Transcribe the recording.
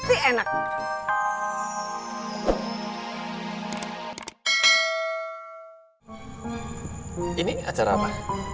ini acara apa